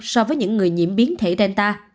so với những người nhiễm biến thể delta